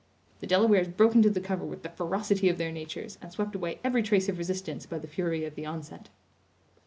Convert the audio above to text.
The Delawares broke into the cover with the ferocity of their natures and swept away every trace of resistance by the fury of the onset.